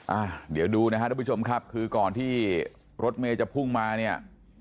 อ่าเดี๋ยวดูนะฮะทุกผู้ชมครับคือก่อนที่รถเมย์จะพุ่งมาเนี่ย